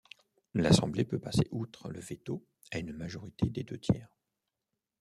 L'assemblée peut passer outre le veto à une majorité des deux-tiers.